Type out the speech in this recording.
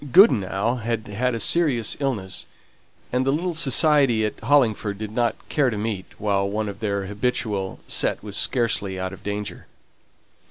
Goodenough had had a serious illness; and the little society at Hollingford did not care to meet while one of their habitual set was scarcely out of danger.